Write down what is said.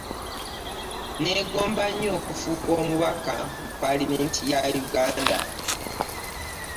Nneegomba nnyo okufuuka omubaka mu paaliyamenti ya Uganda.